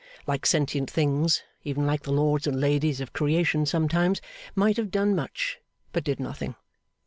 Like sentient things even like the lords and ladies of creation sometimes might have done much, but did nothing.